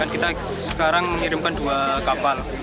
kita sekarang mengirimkan dua kapal